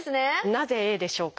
なぜＡでしょうか？